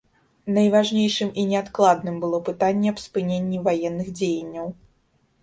Найважнейшым і неадкладным было пытанне аб спыненні ваенных дзеянняў.